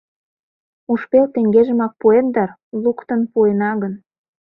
— Уж пел теҥгежымак пуэт дыр... луктын пуэна гын...